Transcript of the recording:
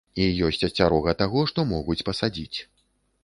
І ёсць асцярога таго, што могуць пасадзіць.